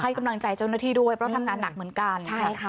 กำลังใจเจ้าหน้าที่ด้วยเพราะทำงานหนักเหมือนกัน